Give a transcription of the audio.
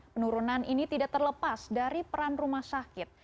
penurunan ini tidak terlepas dari peran rumah sakit